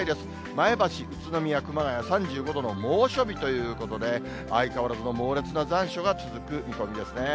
前橋、宇都宮、水戸、熊谷３５度の猛暑日ということで、相変わらずの猛烈な残暑が続く見込みですね。